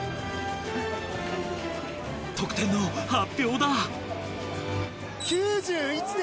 得点の発表だ。